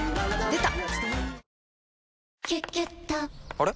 あれ？